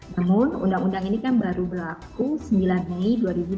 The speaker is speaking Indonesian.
namun undang undang ini kan baru berlaku sembilan mei dua ribu dua puluh